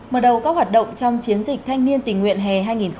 mở đầu các hoạt động trong chiến dịch thanh niên tình nguyện hè hai nghìn một mươi chín